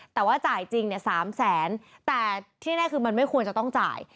แต่ว่าจ่ายจริงเนี่ย๓แสนแต่ที่แน่คือมันไม่ควรจะต้องจ่าย